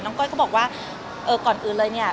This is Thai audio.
ก้อยก็บอกว่าก่อนอื่นเลยเนี่ย